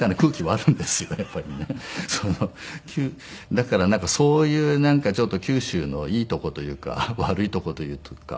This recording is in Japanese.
だからそういうなんかちょっと九州のいいとこというか悪いとこというかって。